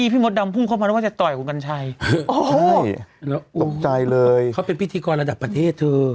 เรียบรู้กล้องงี้ต่ออยู่กันใช่โอ๊ยหุ้นกันเรื่อยเขาเป็นวิธีกรระดับประเทศถือ